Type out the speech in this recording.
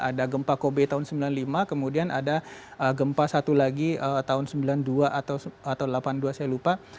ada gempa kobe tahun sembilan puluh lima kemudian ada gempa satu lagi tahun sembilan puluh dua atau delapan puluh dua saya lupa